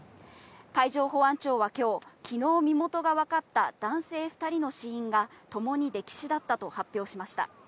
海上保安庁は今日、昨日身元がわかった男性２人の死因がともに溺死だったと発表しました。